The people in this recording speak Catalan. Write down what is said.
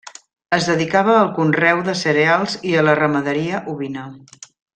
Es dedicava al conreu de cereals i a la ramaderia ovina.